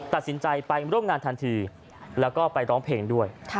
ตัดสินใจไปร่วมงานทันทีแล้วก็ไปร้องเพลงด้วย